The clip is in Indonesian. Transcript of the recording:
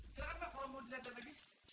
silakan pak kalau mau dilihat dari bagi